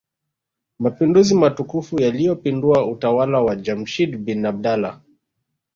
Mapinduzi matukufu yaliyopindua utawala wa Jamshid bin Abdullah